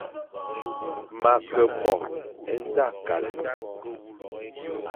Ma Ke mo e nda kale,